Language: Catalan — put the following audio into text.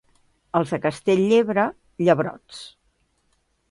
Els de Castell-llebre, llebrots.